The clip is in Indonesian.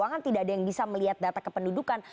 keuangan tidak ada yang bisa melihat data kependudukan